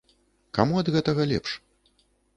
Каму ад гэтага лепш?